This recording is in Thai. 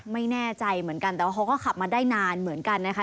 ไม่แน่ใจเหมือนกันแต่ว่าเขาก็ขับมาได้นานเหมือนกันนะคะ